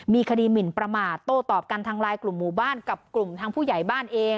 มีคดีหมินประมาทโต้ตอบกันทางไลน์กลุ่มหมู่บ้านกับกลุ่มทางผู้ใหญ่บ้านเอง